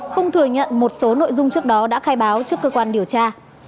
không thừa nhận một số nội dung trước đó đã khai báo trước cơ quan điều tra